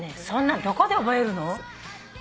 そんなんどこで覚えるの？